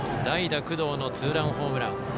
代打、工藤のツーランホームラン。